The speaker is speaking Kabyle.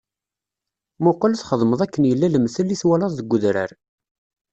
Muqel txedmeḍ akken yella lemtel i twalaḍ deg udrar.